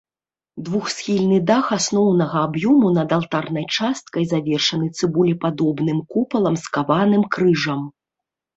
Двухсхільны дах асноўнага аб'ёму над алтарнай часткай завершаны цыбулепадобным купалам з каваным крыжам.